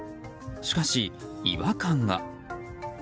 しかし、違和感が。